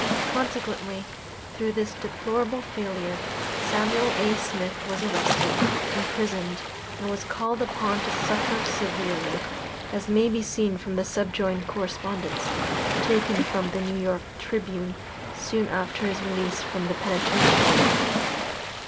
Consequently, through this deplorable failure, Samuel A. Smith was arrested, imprisoned, and was called upon to suffer severely, as may be seen from the subjoined correspondence, taken from the New York Tribune soon after his release from the penitentiary.